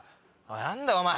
何だお前！